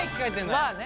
まあね。